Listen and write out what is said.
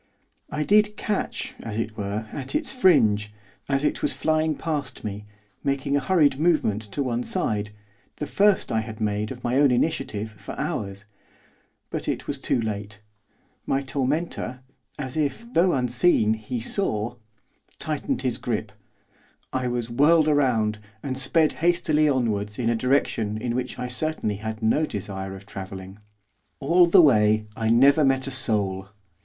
I did catch, as it were, at its fringe, as it was flying past me, making a hurried movement to one side, the first I had made, of my own initiative, for hours. But it was too late. My tormentor, as if, though unseen, he saw tightened his grip, I was whirled round, and sped hastily onwards in a direction in which I certainly had no desire of travelling. All the way I never met a soul.